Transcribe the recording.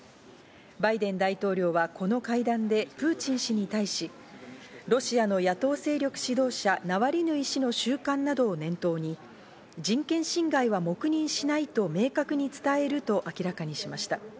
バイデン大統領はこの会談でプーチン氏に対し、ロシアの野党勢力指導者・ナワリヌイ氏の収監などを念頭に人権侵害は黙認しないと明確に伝えると明らかにしました。